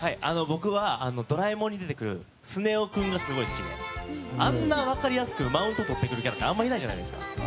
僕は「ドラえもん」に出てくるスネ夫君がすごい好きであんな分かりやすくマウントとってくるキャラクターいないじゃないですか。